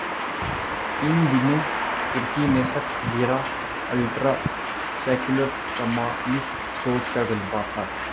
ان دنوں ترکی میں سخت گیر الٹرا سیکولر کمالسٹ سوچ کا غلبہ تھا۔